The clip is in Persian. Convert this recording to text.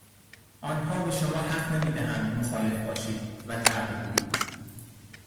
آنها به شما حق نمی دهند مخالف باشید ،و نه بگویید.